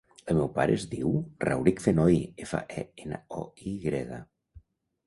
El meu pare es diu Rauric Fenoy: efa, e, ena, o, i grega.